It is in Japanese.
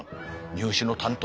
入試の担当